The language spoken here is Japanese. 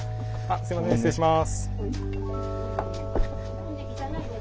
すいません失礼します。